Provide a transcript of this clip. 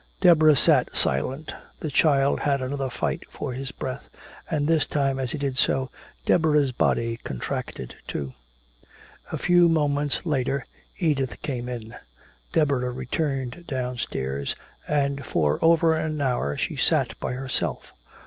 Deborah sat silent. The child had another fight for his breath; and this time as he did so, Deborah's body contracted, too. A few moments later Edith came in. Deborah returned downstairs, and for over an hour she sat by herself.